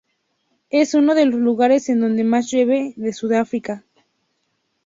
Es uno de los lugares en donde más llueve de Sudáfrica.